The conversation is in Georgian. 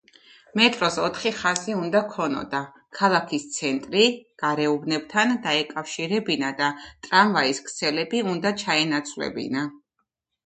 მეტროს ოთხი ხაზი უნდა ჰქონოდა, ქალაქის ცენტრი გარეუბნებთან დაეკავშირებინა და ტრამვაის ქსელები უნდა ჩაენაცვლებინა.